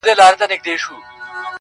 امیرحمزه بابا روح دي ښاد وي,